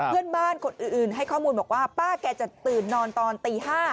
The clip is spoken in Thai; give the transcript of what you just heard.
เพื่อนบ้านคนอื่นให้ข้อมูลบอกว่าป้าแกจะตื่นนอนตอนตี๕